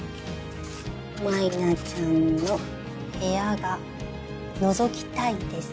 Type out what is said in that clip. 「舞菜ちゃんの部屋がのぞきたいです」